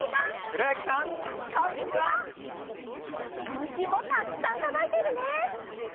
こんしゅうもたくさんとどいているね！